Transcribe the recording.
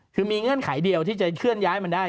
คือมีเงื่อนไขเดียวที่จะเคลื่อนย้ายมันได้